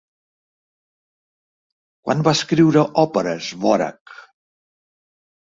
Quan va escriure òperes Dvořák?